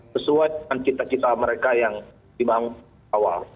sesuai dengan cita cita mereka yang dibangun awal